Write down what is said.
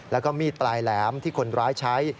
แล้วก็มีดปลายแหลมที่คนร้ายใช้